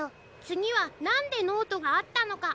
つぎは「なんでノートがあったのか？」